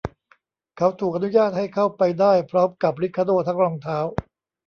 เขาถูกอนุญาตให้เข้าไปได้พร้อมกับริคาโด้ทั้งรองเท้า